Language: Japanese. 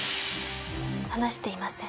話していません。